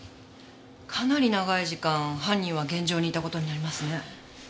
かなり長い時間犯人は現場にいた事になりますね。